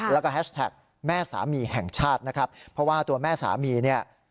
แล้วก็แฮชแท็กแม่สามีแห่งชาตินะครับเพราะว่าตัวแม่สามีเนี่ย